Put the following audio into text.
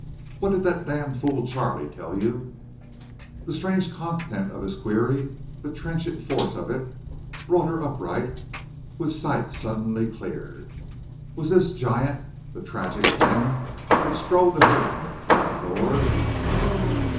"What did that damned fool Charley tell you?" The strange content of his query, the trenchant force of it, brought her upright, with sight suddenly cleared. Was this giant the tragic Glenn who had strode to her from the cabin door?